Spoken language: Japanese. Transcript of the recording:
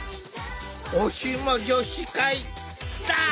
おシモ女子会スタート！